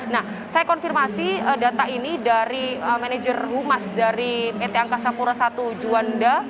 nah saya konfirmasi data ini dari manajer humas dari pt angkasa pura i juanda